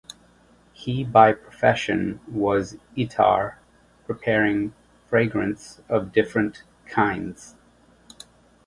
He by profession was Ittar preparing fragrance of different kinds.